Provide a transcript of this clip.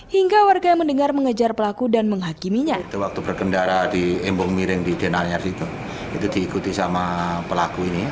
hingga warga yang mendengar mengejar pelaku dan menghakiminya